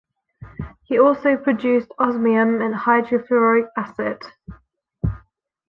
He also produced osmium and hydrofluoric acid.